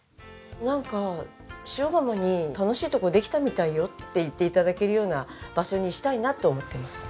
「なんか塩竈に楽しいとこできたみたいよ」って言って頂けるような場所にしたいなと思ってます。